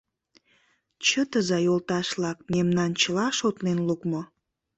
Чытыза, йолташ-влак, мемнан чыла шотлен лукмо.